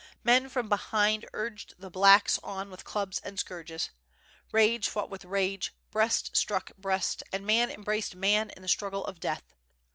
Men from behind urged the "blacks" on with clubs and scourges. Rage fought with rage, breast struck breast, and man embraced man in the struggle of death.